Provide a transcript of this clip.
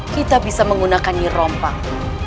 kita bisa menggunakannya rompang